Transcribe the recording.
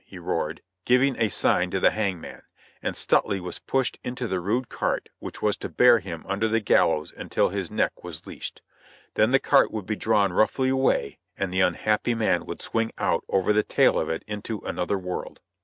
roared Monceux, giving the sign to the executioner; and Stuteley was hustled into the rude cart which was to bear him under the gallows until his neck had been leashed. Then it would be drawn roughly away and the unhappy man would swing out over the tail of it into another world.